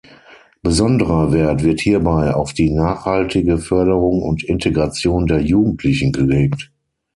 Besonderer Wert wird hierbei auf die nachhaltige Förderung und Integration der Jugendlichen gelegt.